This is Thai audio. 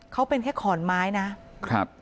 เขาเป็นแค่ขอนไม้นะ